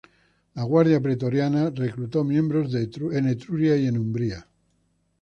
La guardia pretoriana reclutó miembros en Etruria y en Umbria.